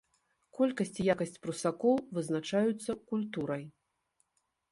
Колькасць і якасць прусакоў вызначаюцца культурай.